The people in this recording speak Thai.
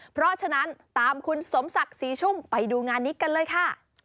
เพราะฉะนั้นตามคุณสมศักดิ์ศรีชุ่มไปดูงานนี้กันเลยค่ะ